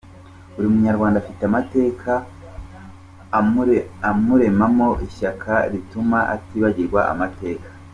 Buri munyarwanda afite amateka amuremamo ishyaka rituma atibagirwa amateka.”